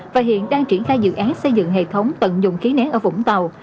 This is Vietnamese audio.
và hiện đang triển khai dự án xây dựng hệ thống tận dụng khí nén ở vũng tàu